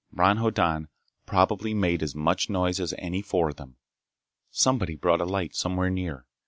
Bron Hoddan probably made as much noise as any four of them. Somebody brought a light somewhere near.